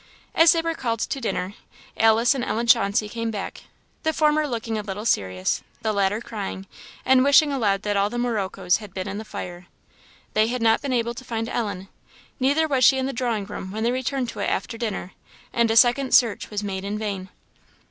As they were called to dinner, Alice and Ellen Chauncey came back; the former looking a little serious, the latter crying, and wishing aloud that all the moroccoes had been in the fire. They had not been able to find Ellen. Neither was she in the drawing room when they returned to it after dinner; and a second search was made in vain.